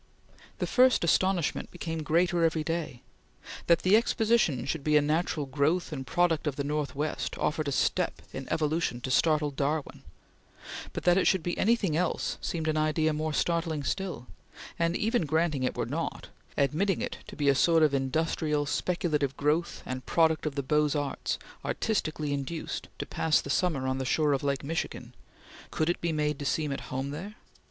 The first astonishment became greater every day. That the Exposition should be a natural growth and product of the Northwest offered a step in evolution to startle Darwin; but that it should be anything else seemed an idea more startling still; and even granting it were not admitting it to be a sort of industrial, speculative growth and product of the Beaux Arts artistically induced to pass the summer on the shore of Lake Michigan could it be made to seem at home there?